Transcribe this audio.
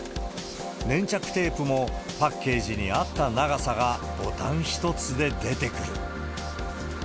粘着テープも、パッケージに合った長さがボタン一つで出てくる。